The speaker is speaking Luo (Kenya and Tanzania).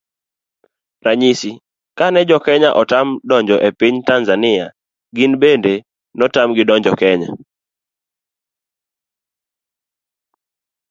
Ranyisi, kane jokenya otam donjo e piny Tazania gin bende notam gi donjo Kenya